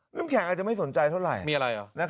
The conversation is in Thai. นิ้มแข่งอาจจะไม่สนใจเท่าไหร่